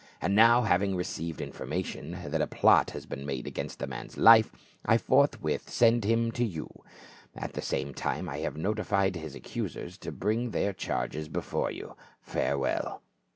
And now having received in formation that a plot has been made against the man's life, I forthwith send him to you ; at the same time I have notified his accusers to bring their charges before you. Farewell."